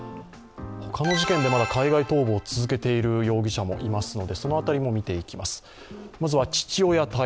他の事件でまだ海外逃亡を続けている容疑者もいますのでその辺りも見ていきます。